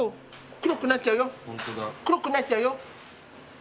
黒くなっちゃうよ。